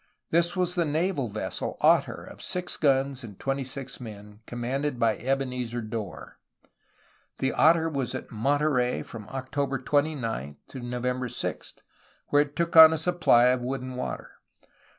This was the naval vessel Ottery of six guns and twenty six men, com manded by Ebenezer Dorr. The Otter was at Monterey from October 29 to November 6, where it took on a supply of wood and water.